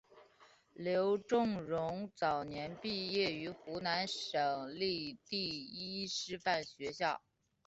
刘仲容早年毕业于湖南省立第一师范学校。